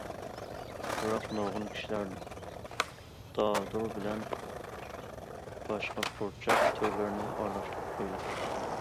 بىراق نۇرغۇن كىشىلەر دادۇر بىلەن باشقا پۇرچاق تۈرلىرىنى ئارىلاشتۇرۇپ قويىدۇ.